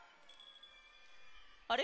あれ？